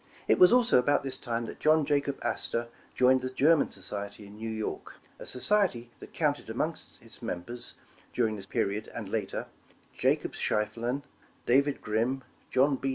It was also about this time, that John Jacob Astor joined the German Society in New York, a society that counted among its members, dur ing this period and later, Jacob Schieffelin, David Grim, John B.